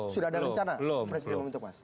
sudah ada rencana presiden membentuk mas